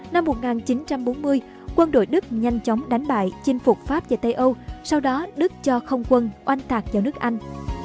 năm một nghìn chín trăm bốn mươi quân đội đức nhanh chóng đánh bại chinh phục pháp và tây âu sau đó đức cho không quân oanh tạc vào nước anh